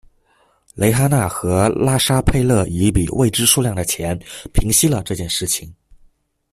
蕾哈娜和拉沙佩勒以一笔未知数量的钱平息了这件事情。